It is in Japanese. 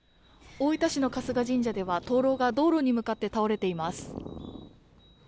大分市の春日神社では灯籠が道路に向かって倒れています